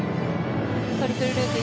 トリプルループ。